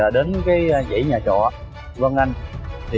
đến dãy nhà trọ vân anh